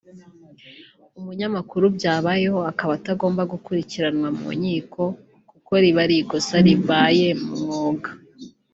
umunyamakuru byabayeho aakaba atagombye gukurikiranwa mu nkiko kuko riba ari ikosa ribaye mu mwuga